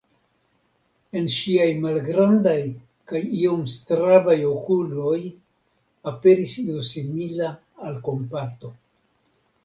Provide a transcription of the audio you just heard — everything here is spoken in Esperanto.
En ŝiaj malgrandaj kaj iom strabaj okuloj aperis io simila al kompato.